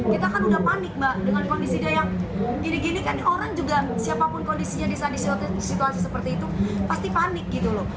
kita kan udah panik mbak dengan kondisi dia yang gini gini kan orang juga siapapun kondisinya di saat di situasi seperti itu pasti panik gitu loh